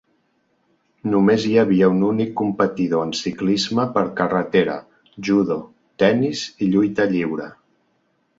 Només hi havia un únic competidor en ciclisme per carretera, judo, tennis i lluita lliure.